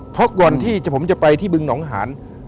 เพราะก่อนที่ผมจะไปที่บึงหนองหาน